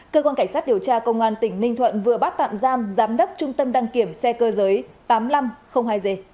cơ quan cảnh sát điều tra công an tỉnh ninh thuận vừa bắt tạm giam giám đốc trung tâm đăng kiểm xe cơ giới tám nghìn năm trăm linh hai g